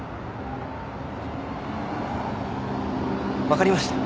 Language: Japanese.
わかりました。